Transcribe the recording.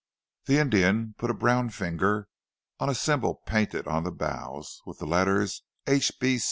The Indian put a brown finger on a symbol painted on the bows, with the letters H.